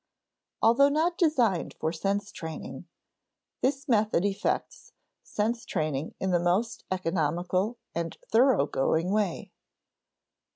Although not designed for sense training, this method effects sense training in the most economical and thoroughgoing way.